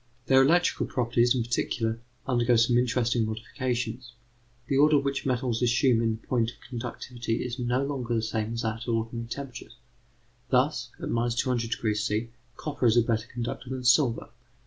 Their electrical properties, in particular, undergo some interesting modifications. The order which metals assume in point of conductivity is no longer the same as at ordinary temperatures. Thus at 200° C. copper is a better conductor than silver.